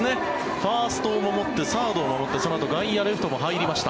ファーストを守ってサードを守ってそのあと外野、レフトとも入りました。